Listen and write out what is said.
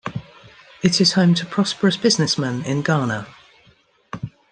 It is home to prosperous business men in Ghana.